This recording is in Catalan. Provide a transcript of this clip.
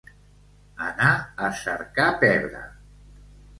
Anar a cercar pebre.